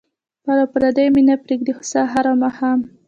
خپل او پردي مې نه پرېږدي خو سهار او ماښام.